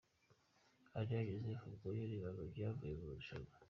Areruya Joseph ubwo yarebaga ibyavuye mu isiganwa .